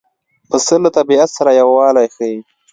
پسه له طبیعت سره یووالی ښيي.